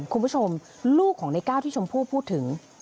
คุณผู้ชมลูกของในก้าวที่ชมพู่พูดถึง